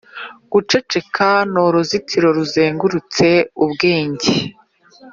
guceceka nuruzitiro ruzengurutse ubwenge